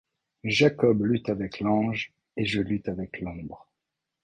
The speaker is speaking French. Jacob lutte avec l'Ange, et je lutte avec l'Ombre.